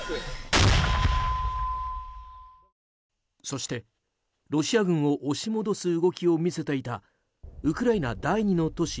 そしてロシア軍を押し戻す動きを見せていたウクライナ第２の都市